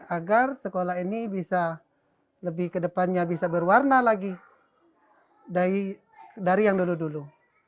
agar sekolah ini bisa lebih kedepannya bisa berwarna lagi dari yang dulu dulu